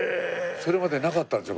それまでなかったんですよ